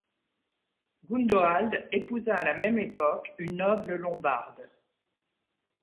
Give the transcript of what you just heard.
Gundoald épousa à la même époque une noble lombarde.